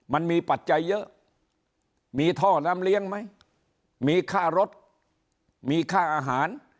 ปัจจัยเยอะมีท่อน้ำเลี้ยงไหมมีค่ารถมีค่าอาหาร